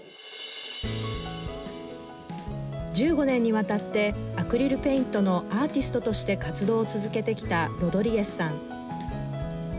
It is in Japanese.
１５年にわたってアクリルペイントのアーティストとして活動を続けてきたロドリゲスさん。